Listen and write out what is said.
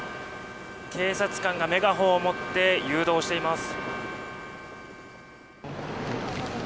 警察官がメガホンを持って誘導しています。